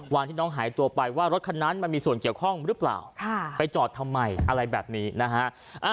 วันที่น้องหายตัวไปว่ารถคันนั้นมันมีส่วนเกี่ยวข้องหรือเปล่าไปจอดทำไมอะไรแบบนี้นะฮะ